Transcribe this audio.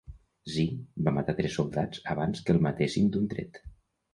Zin va matar tres soldats abans de que el matessin d'un tret.